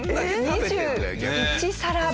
２１皿分。